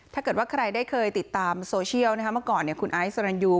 ถ้าเกิดว่าใครได้เคยติดตามโซเชียลเมื่อก่อนคุณไอซ์สรรยู